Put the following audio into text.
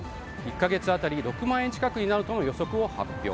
１か月当たり６万円近くになるとの予測を発表。